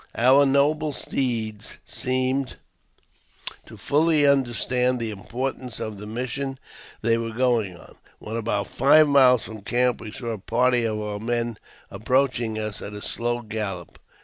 Our noble steeds seemed to fully understand the importance of the mission they were going on. When about five miles from the camp we saw a party of our men approaching us at a slow gallop.